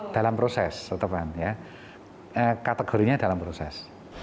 dalam proses tetapkan kategorinya dalam proses